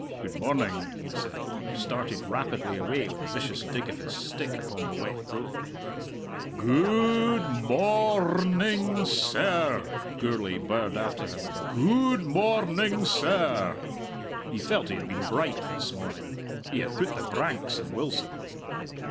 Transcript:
"Good morning!" he said, and started rapidly away with a vicious dig of his stick upon the wet road. "Goo ood mor r ning, serr!" Gourlay birred after him; "goo ood mor r ning, serr!" He felt he had been bright this morning. He had put the branks on Wilson!